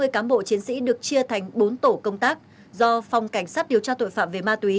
sáu mươi cán bộ chiến sĩ được chia thành bốn tổ công tác do phòng cảnh sát điều tra tội phạm về ma túy